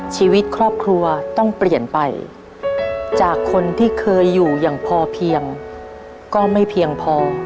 ชีวิตครอบครัวต้องเปลี่ยนไปจากคนที่เคยอยู่อย่างพอเพียงก็ไม่เพียงพอ